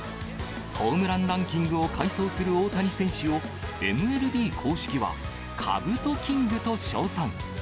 ホームランランキングを快走する大谷選手を、ＭＬＢ公式は、かぶとキングと称賛。